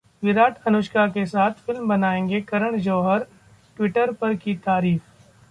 विराट-अनुष्का के साथ फिल्म बनाएंगे करण जौहर, ट्विटर पर की तारीफ